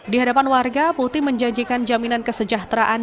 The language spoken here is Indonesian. di hadapan warga putih menjanjikan jaminan kesejahteraan